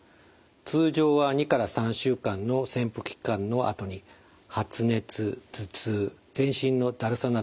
通常は２から３週間の潜伏期間のあとに発熱頭痛全身のだるさなどの症状が現れます。